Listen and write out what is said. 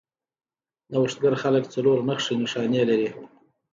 نوښتګر خلک څلور نښې نښانې لري.